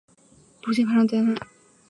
不幸发生空难。